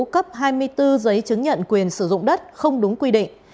cấp hai mươi bốn giấy chứng nhận quyền sử dụng đất không đúng quy định